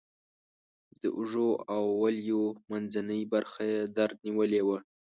د اوږو او ولیو منځنۍ برخه یې درد نیولې وه.